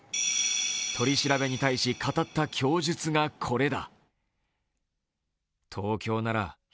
取り調べに対し語った供述がこれだ。